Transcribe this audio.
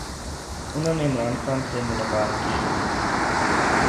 انھوں نے عمران خان سے ملاقات کی ہے۔